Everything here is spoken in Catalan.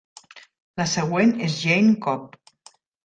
La següent és Jayne Cobb.